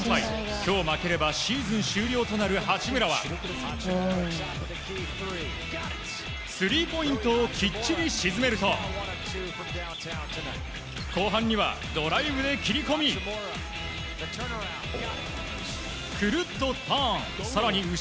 今日負ければシーズン終了となる八村はスリーポイントをきっちり沈めると後半にはドライブで切り込みくるっとターン。